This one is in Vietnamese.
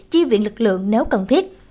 chi viện lực lượng nếu cần thiết